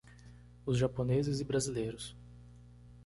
Os Japoneses e Brasileiros.